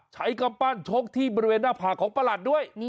กำปั้นชกที่บริเวณหน้าผากของประหลัดด้วย